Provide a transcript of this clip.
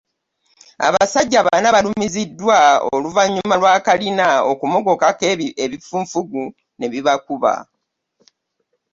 Abasajja bana balumiziddwa ku oluvannyuma lwa kkalina okumogokako ebifunfugu ne bibakuba.